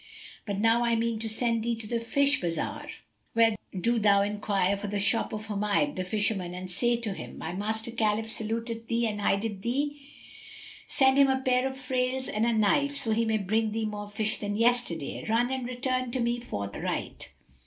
But now I mean to send thee to the fish bazar, where do thou enquire for the shop of Humayd the fisherman and say to him, 'My master Khalif saluteth thee and biddeth thee send him a pair of frails and a knife, so he may bring thee more fish than yesterday.' Run and return to me forthright!"